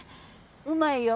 うまいよ。